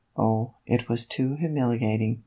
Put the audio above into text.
Oh, it was too humili ating!